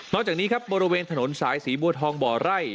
จากนี้ครับบริเวณถนนสายสีบัวทองบ่อไร่